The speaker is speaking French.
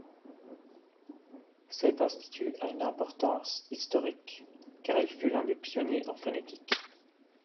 Cet institut a une importance historique, car il fut l'un des pionniers en phonétique.